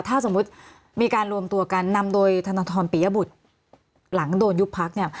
ถ้าสมมุติมีการรวมตัวกันนำโดยธนทรปิยบุตรหลังโดนยุบพักเนี่ย